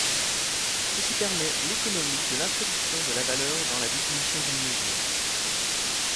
Ceci permet l'économie de l'introduction de la valeur dans la définition d'une mesure.